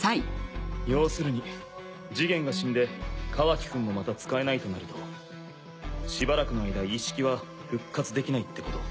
要するにジゲンが死んでカワキくんもまた使えないとなるとしばらくの間イッシキは復活できないってこと？